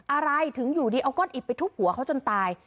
อะไรถึงอยู่ดีเอาก้อนอิดไปทุบหัวเขาจนตาย